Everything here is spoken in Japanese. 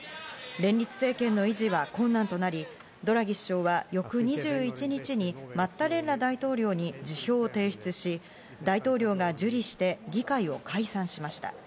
連立政権の維持は困難となり、ドラギ首相は翌２１日にマッタレッラ大統領に辞表を提出し、大統領が受理して議会を解散しました。